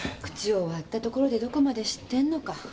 口を割ったところでどこまで知ってんのか。